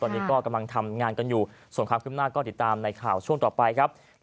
ตอนนี้ก็กำลังทำงานกันอยู่ส่วนความขึ้นหน้าก็ติดตามในข่าวช่วงต่อไปครับ